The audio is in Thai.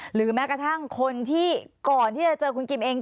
หรือแม้กระทั่งคนที่ก่อนที่จะเจอคุณกิมเอง